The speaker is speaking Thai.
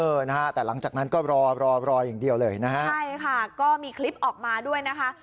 เออนะฮะแต่หลังจากนั้นก็รอรออย่างเดียวเลยนะฮะใช่ค่ะก็มีคลิปออกมาด้วยนะคะ